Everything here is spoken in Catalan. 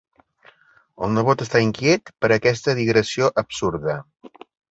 El nebot està inquiet per aquesta digressió absurda.